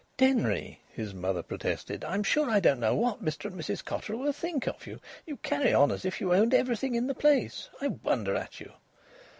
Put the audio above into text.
"Denry!" his mother protested, "I'm sure I don't know what Mr and Mrs Cotterill will think of you! You carry on as if you owned everything in the place. I wonder at you!"